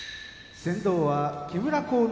先導は木村晃之